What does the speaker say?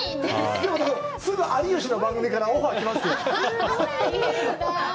すぐ有吉の番組からオファーが来ますよ。